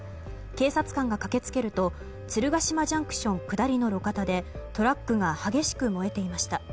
警察官が駆け付けると鶴ヶ島ＪＣＴ下りの路肩でトラックが激しく燃えていました。